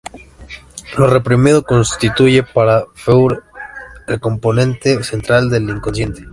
Lo reprimido constituye para Freud el componente central del inconsciente.